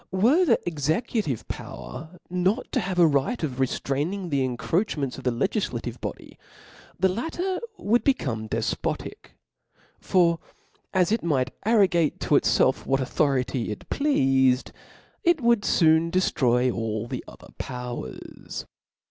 231 Were the executive power not to have a right of b o o k reftraining the encroachments of the legillative bo ^^ dy^ the latter would become defpotic ^ for as it might arrogate to itfelf what authoriry it plealed, it would foon deftroy all the other powers.